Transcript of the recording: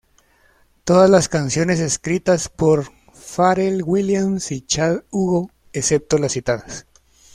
Todas las canciones escritas por Pharrell Williams y Chad Hugo, excepto las citadas.